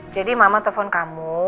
jadi mama telpon kamu